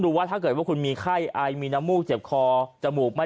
ว่าถ้าเกิดว่าคุณมีไข้ไอมีน้ำมูกเจ็บคอจมูกไม่